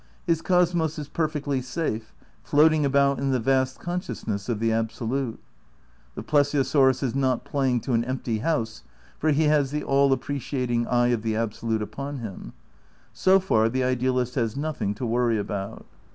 His cosmos is perfectly safe, floating about in the vast con sciousness of the Absolute. The plesiosaurus is not playing to an empty house, for he has the aU appre oiating eye of the Absolute upon him. So far the ideal ist has nothing to worry about.